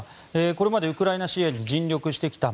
これまでウクライナ支援に尽力してきた